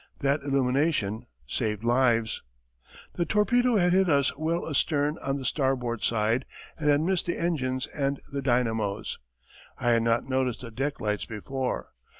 That illumination saved lives. The torpedo had hit us well astern on the starboard side and had missed the engines and the dynamos. I had not noticed the deck lights before.